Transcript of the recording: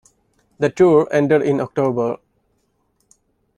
The tour ended in October.